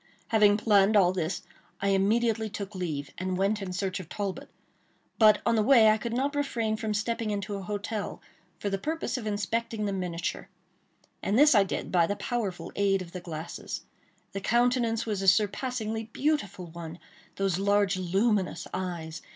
Having planned all this, I immediately took leave, and went in search of Talbot, but, on the way, I could not refrain from stepping into a hotel, for the purpose of inspecting the miniature; and this I did by the powerful aid of the glasses. The countenance was a surpassingly beautiful one! Those large luminous eyes!